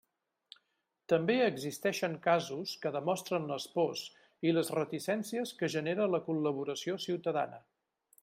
També existeixen casos que demostren les pors i les reticències que genera la col·laboració ciutadana.